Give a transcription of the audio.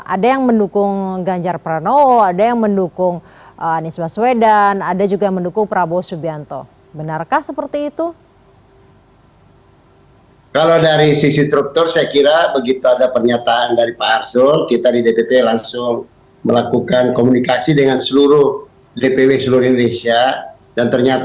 ada yang mendukung ganjar prano ada yang mendukung anies baswedan ada juga yang mendukung prabowo subianto